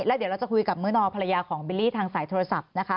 แล้วเดี๋ยวเราจะคุยกับมื้อนอภรรยาของบิลลี่ทางสายโทรศัพท์นะคะ